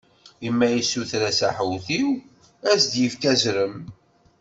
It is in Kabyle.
I ma yessuter-as aḥutiw, ad s-ifk azrem?